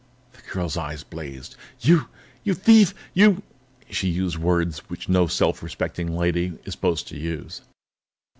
The girl's eyes blazed. "You you thief! You " She used words which no self respecting lady is supposed to use.